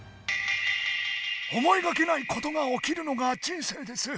思いがけないことが起きるのが人生です。